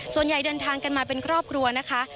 ส่วนใหญ่เดินทางกันมาเป็นครอบครัวนะคะ